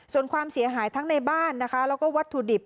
ส่วนความเสียหายทั้งในบ้านนะคะแล้วก็วัตถุดิบ